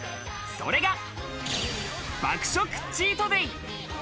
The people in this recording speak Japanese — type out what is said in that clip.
それが爆食チートデイ！